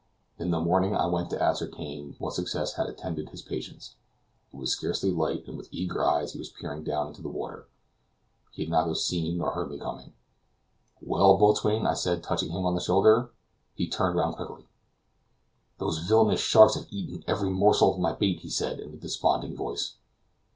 In the morning I went to ascertain what success had attended his patience. It was scarcely light, and with eager eyes he was peering down into the water. He had neither seen nor heard me coming. "Well, boatswain!" I said, touching him on the shoulder. He turned round quickly. "Those villainous sharks have eaten every morsel of my bait," he said, in a desponding voice.